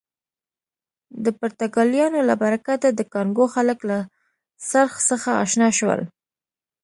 د پرتګالیانو له برکته د کانګو خلک له څرخ سره اشنا شول.